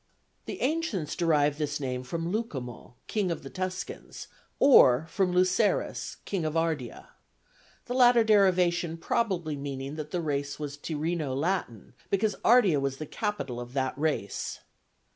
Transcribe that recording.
The ancients derive this name from Lucumo, king of the Tuscans, or from Lucerus, king of Ardea; the latter derivation probably meaning that the race was Tyrrheno Latin, because Ardea was the capital of that race.